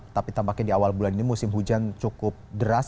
tapi tampaknya di awal bulan ini musim hujan cukup deras